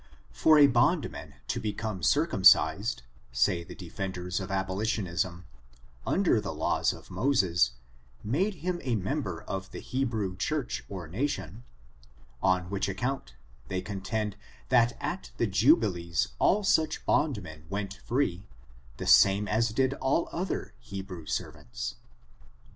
For a boiidman to become circumcised^ say the defenders of abolitionism, under the laws of Moses, made him a member of the He brew church or nation, on which account, they con tend that at the jubilees all such bondmen went free, the same as did all other Hebrew servants.